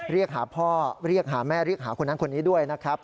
เรียกหาพ่อเรียกหาแม่เรียกหาคนนั้นคนนี้ด้วยนะครับ